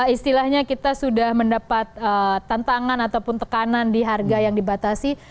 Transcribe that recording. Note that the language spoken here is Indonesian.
istilahnya kita sudah mendapat tantangan ataupun tekanan di harga yang dibatasi